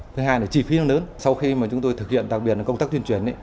thứ hai là chi phí nó lớn sau khi mà chúng tôi thực hiện đặc biệt là công tác tuyên truyền